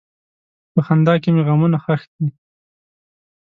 په خندا کې مې غمونه ښخ دي.